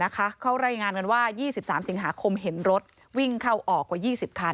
เขารายงานกันว่า๒๓สิงหาคมเห็นรถวิ่งเข้าออกกว่า๒๐คัน